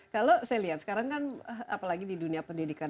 kalau saya lihat sekarang kan apalagi di dunia pendidikan